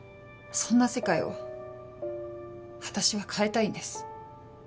そんな世界を私は変えたいんです。